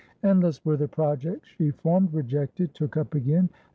Endless were the projects she formed, rejected, took up again.